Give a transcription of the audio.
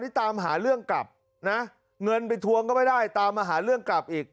นี่ตามหาเรื่องกลับนะเงินไปทวงก็ไม่ได้ตามมาหาเรื่องกลับอีก